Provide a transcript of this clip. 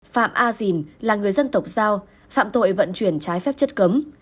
phạm a dìn là người dân tộc giao phạm tội vận chuyển trái phép chất cấm